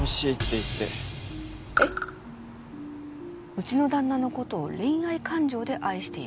うちの旦那の事を恋愛感情で愛している。